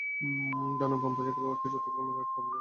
ডান ও বাম পাশের খেলোয়াড়কে যথাক্রমে রাইট হাফ ও লেফট হাফ বলা হত।